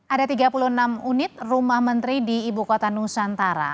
ada tiga puluh enam unit rumah menteri di ibu kota nusantara